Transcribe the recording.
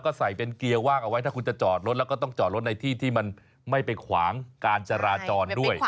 ก็ใส่เป็นเกียร์ว่างเอาไว้ถ้าคุณจะจอดรถแล้วก็ต้องจอดรถในที่ที่มันไม่ไปขวางการจราจรด้วย